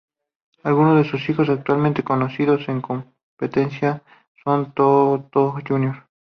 Algunos de sus hijos actualmente conocidos en competencia son "Toto Jr.